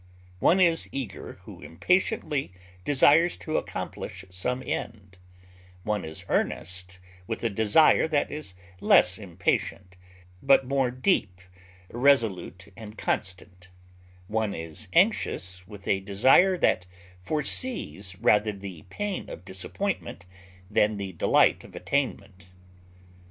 One is eager who impatiently desires to accomplish some end; one is earnest with a desire that is less impatient, but more deep, resolute, and constant; one is anxious with a desire that foresees rather the pain of disappointment than the delight of attainment.